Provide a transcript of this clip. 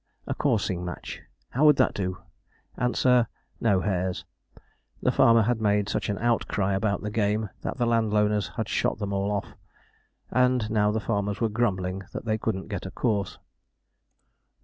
A coursing match how would that do? Answer: 'No hares.' The farmers had made such an outcry about the game, that the landowners had shot them all off, and now the farmers were grumbling that they couldn't get a course.